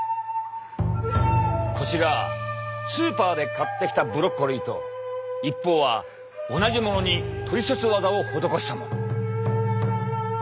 こちらスーパーで買ってきたブロッコリーと一方は同じものにトリセツワザを施したもの。